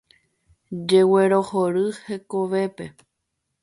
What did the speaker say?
Jeguerohory hekovépe.